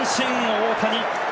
大谷！